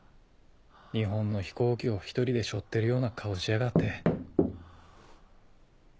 日本の飛行機を１人で背負ってるような顔しやがって。